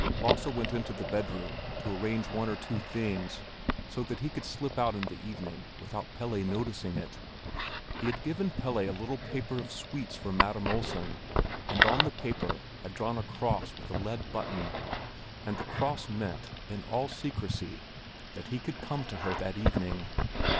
Lasse went into the bedroom to arrange one or two things so that he could slip out in the evening without Pelle noticing it. He had given Pelle a little paper of sweets for Madam Olsen, and on the paper he had drawn a cross with a lead button; and the cross meant in all secrecy that he would come to her that evening.